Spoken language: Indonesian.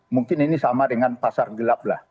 mungkin ini sama dengan pasar gelap lah